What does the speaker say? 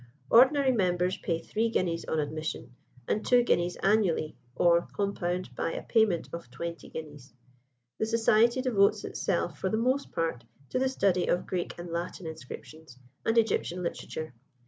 Ordinary members pay three guineas on admission, and two guineas annually, or compound by a payment of twenty guineas. The society devotes itself for the most part to the study of Greek and Latin inscriptions and Egyptian literature.